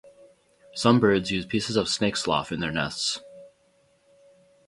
Some birds use pieces of snake slough in their nests.